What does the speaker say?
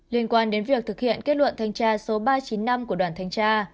liên quan đến việc thực hiện kết luận thanh tra số ba trăm chín mươi năm của đoàn thanh tra